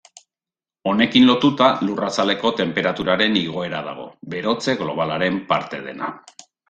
Honekin lotuta lurrazaleko tenperaturaren igoera dago, berotze globalaren parte dena.